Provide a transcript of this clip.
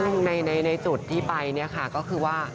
ซึ่งในจุดที่ไปก็คือว่า